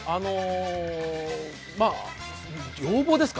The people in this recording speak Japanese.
要望ですか？